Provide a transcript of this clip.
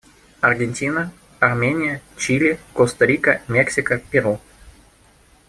Аргентина, Армения, Чили, Коста-Рика, Мексика, Перу.